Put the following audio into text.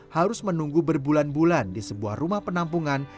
harus menunggu berbulan bulan di sebuah rumah penampungan